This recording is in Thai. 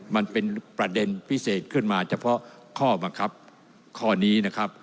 มันเป็นประเด็นพิเศษขึ้นมาเฉพาะข้อบังคับข้อนี้นะครับ